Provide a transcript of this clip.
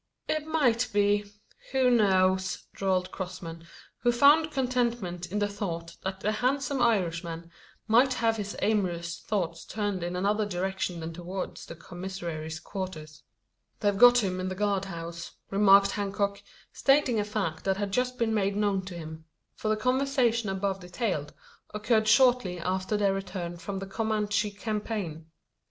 "It might be who knows?" drawled Crossman, who found contentment in the thought that the handsome Irishman might have his amorous thoughts turned in any other direction than towards the commissary's quarters. "They've got him in the guard house," remarked Hancock, stating a fact that had just been made known to him: for the conversation above detailed occurred shortly after their return from the Comanche campaign.